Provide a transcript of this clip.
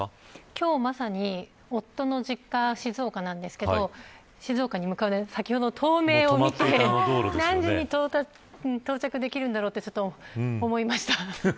今日、まさに夫の実家、静岡なんですけど静岡に向かう東名を見て何時に到着できるんだろうとちょっと思いました。